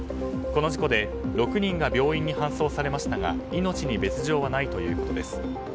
この事故で６人が病院に搬送されましたが命に別条はないということです。